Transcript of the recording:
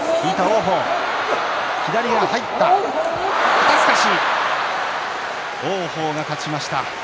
肩すかし王鵬が勝ちました。